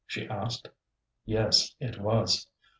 she asked. Yes, it was.